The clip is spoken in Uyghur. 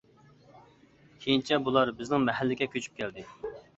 كېيىنچە بۇلار بىزنىڭ مەھەللىگە كۆچۈپ كەلدى.